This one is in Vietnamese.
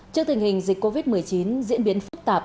trước tình hình dịch covid một mươi chín diễn biến phức tạp